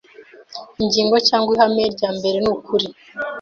ingingo cyangwa ihame rya mbere nukuri